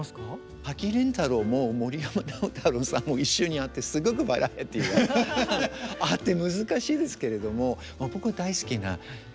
滝廉太郎も森山直太朗さんも一緒にあってすごくバラエティーがあって難しいですけれども。